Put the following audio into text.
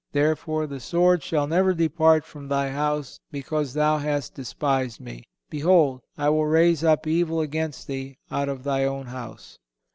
Therefore the sword shall never depart from thy house, because thou hast despised Me. Behold, I will raise up evil against thee out of thy own house."